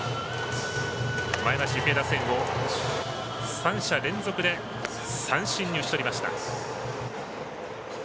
前橋育英打線を３者連続で三振に打ち取りました。